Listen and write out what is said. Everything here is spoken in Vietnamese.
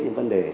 những vấn đề